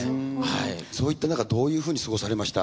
そういったなかどういうふうに過ごされました？